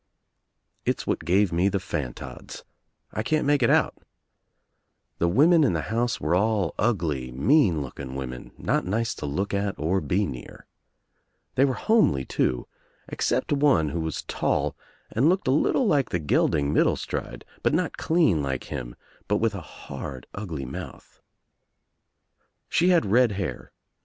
It's what give me the fantods. I can't make it out. The women in the house were all ugly mean looking l8 THE TRIUMPH OF THE EGG women, not nice to look at or be near. They were homely too, except one who was tall and looked a little like the gelding Middlestride, but not clean like him, but with a hard ugly mouth. She had red hair.